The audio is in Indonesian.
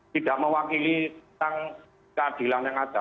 tidak mewakili tentang keadilan yang ada